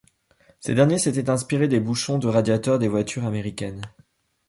Ces derniers s'étaient inspirés des bouchons de radiateur des voitures américaines.